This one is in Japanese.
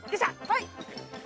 はい。